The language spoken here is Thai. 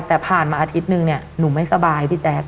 แต่ผ่านมาอาทิตย์นึงเนี่ยหนูไม่สบายพี่แจ๊ค